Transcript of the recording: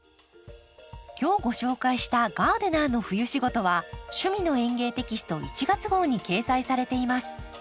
今日ご紹介した「ガーデナーの冬仕事」は「趣味の園芸」テキスト１月号に掲載されています。